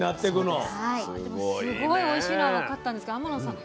でもすごいおいしいのは分かったんですが天野さん